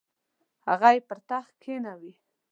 هغه یې پر تخت کښینوي.